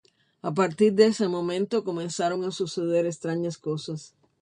A partir de ese momento comenzaron a suceder extrañas cosas.